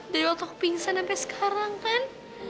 dari waktu pingsan sampai sekarang kan